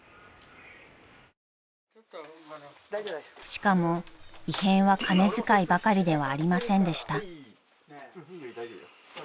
［しかも異変は金遣いばかりではありませんでした］